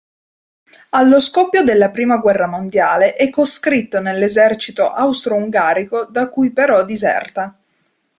Allo scoppio della prima guerra mondiale è coscritto nell'esercito austro-ungarico, da cui però diserta.